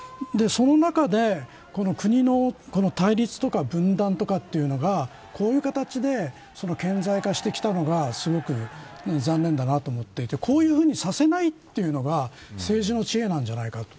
その中で、この国の対立とか分断とかというのがこういう形で顕在化してきたのがすごく残念だなと思っていてこういうふうにさせないというのが政治の知恵なんじゃないかと。